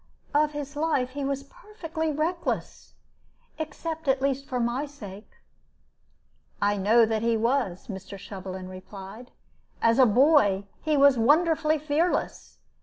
Of his life he was perfectly reckless, except, at least, for my sake." "I know that he was," Mr. Shovelin replied; "as a boy he was wonderfully fearless.